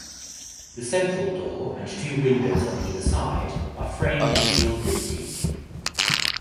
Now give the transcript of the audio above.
The central door and two windows on either side are framed in gilded teak.